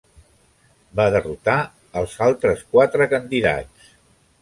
Va derrotar els quatre altres candidats.